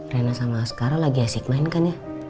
rena sama sekarang lagi asik main kan ya